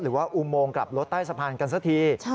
อุโมงกลับรถใต้สะพานกันสักที